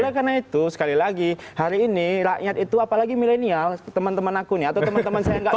oleh karena itu sekali lagi hari ini rakyat itu apalagi milenial teman teman aku nih atau teman teman saya nggak tahu